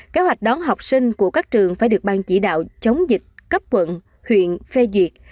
kế hoạch đón học sinh của các trường phải được ban chỉ đạo chống dịch cấp quận huyện phê duyệt